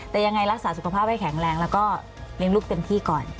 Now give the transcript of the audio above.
แต่ยังไงรักษาสุขภาพให้แข็งแรงแล้วก็เลี้ยงลูกเต็มที่ก่อน